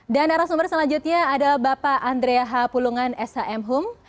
dan arah sumber selanjutnya ada bapak andrea h pulungan shm hum